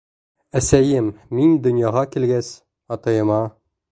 Әсәйем, мин донъяға килгәс, атайыма: